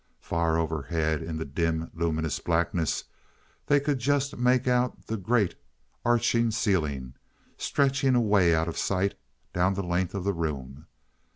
Far overhead in the dim luminous blackness they could just make out the great arching ceiling, stretching away out of sight down the length of the room.